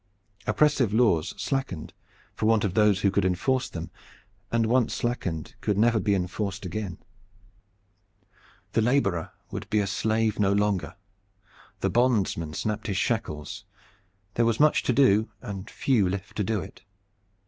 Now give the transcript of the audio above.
Oppressive laws slackened for want of those who could enforce them, and once slackened could never be enforced again. The laborer would be a slave no longer. The bondsman snapped his shackles. There was much to do and few left to do it.